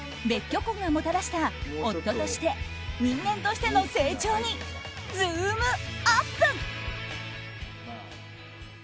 別居婚がもたらした夫として、人間としての成長にズームＵＰ！